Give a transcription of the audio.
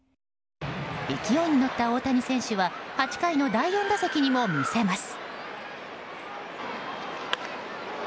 勢いに乗った大谷選手は８回の第４打席にも見せます。